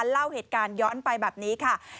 เล่าเหตุการณ์ย้อนไปแบบนี้ค่ะ